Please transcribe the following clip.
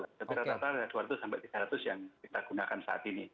tapi rata rata ada dua ratus sampai tiga ratus yang kita gunakan saat ini